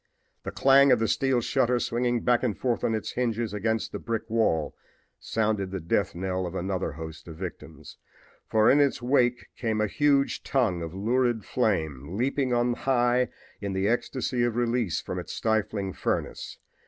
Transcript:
The clang of the steel shutter swinging back on its hinges against the brick wall sounded the death knell of another host of victims, for in its wake came a huge tongue of lurid flame, leaping on high in the ecstasy of release from its stifling furnace.